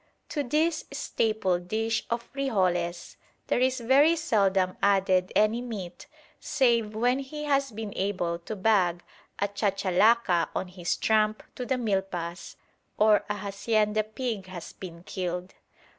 To this staple dish of frijoles there is very seldom added any meat save when he has been able to bag a chachalaka on his tramp to the milpas or a hacienda pig has been killed.